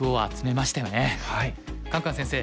カンカン先生